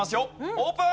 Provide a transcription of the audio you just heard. オープン！